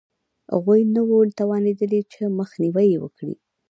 غوی نه وو توانېدلي چې مخنیوی یې وکړي